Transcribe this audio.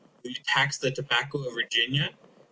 Will you tax the tobacco of Virginia?